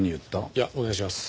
いやお願いします。